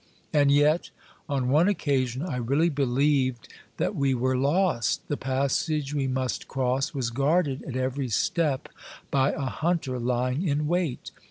And yet, on one occasion I really believed that we were lost. The passage we must cross was guarded at every step by a hunter lying in wait.